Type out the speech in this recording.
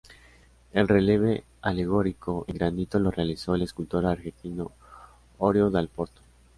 El relieve alegórico en granito lo realizó el escultor argentino Orio Dal Porto.